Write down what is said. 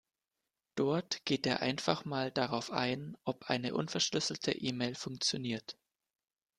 Dort geht er einfach mal darauf ein, ob eine unverschlüsselte E-Mail funktioniert.